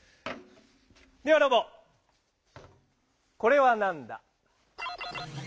ではロボこれはなんだ？